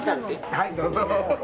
はい、どうぞ。